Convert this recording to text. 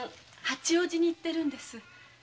八王子に行ってるんです。